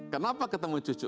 kenapa ketemu cucu